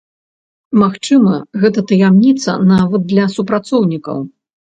Магчыма, гэта таямніца нават для супрацоўнікаў.